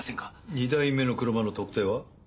２台目の車の特定は？